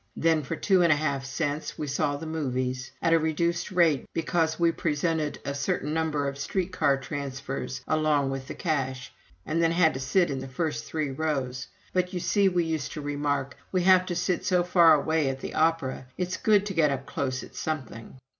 Then, for two and a half cents, we saw the movies at a reduced rate because we presented a certain number of street car transfers along with the cash, and then had to sit in the first three rows. But you see, we used to remark, we have to sit so far away at the opera, it's good to get up close at something!